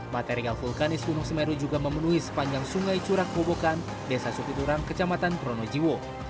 material vulkanis gunung semeru juga memenuhi sepanjang sungai curang pobokan desa supiturang kecamatan pronojiwo